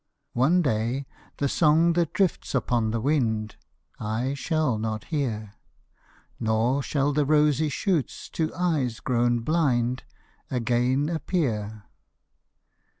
One day the song that drifts upon the wind, I shall not hear; Nor shall the rosy shoots to eyes grown blind Again appear.